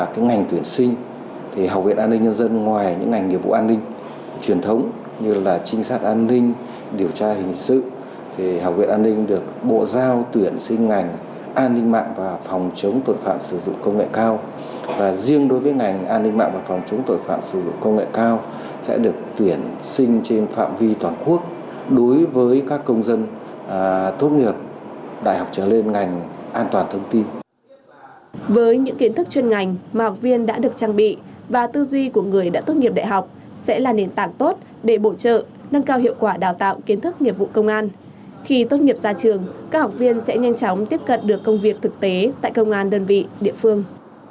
khi tốt nghiệp ra trường các học viên sẽ nhanh chóng tiếp cận được công việc thực tế tại công an đơn vị địa phương